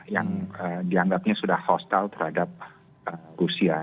yang dianggapnya sudah hostal terhadap rusia